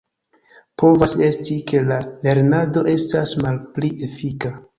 Povas esti, ke la lernado estas malpli efika.